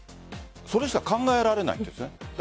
それしか考えられないというんです。